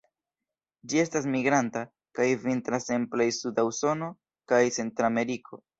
Ĝi estas migranta, kaj vintras en plej suda Usono kaj Centrameriko.